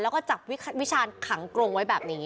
แล้วก็จับวิชาณขังกรงไว้แบบนี้